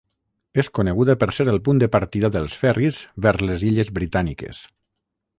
És coneguda per ser el punt de partida dels ferris vers les Illes Britàniques.